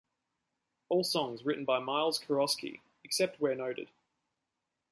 All songs written by Miles Kurosky, except where noted.